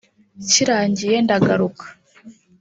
kirangiye ndagaruka